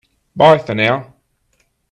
Bye for now!